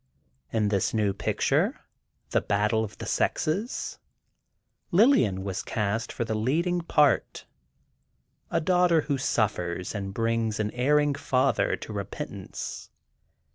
In this new picture, "The Battle of the Sexes," Lillian was cast for the leading part: a daughter who suffers, and brings an erring father to repentance.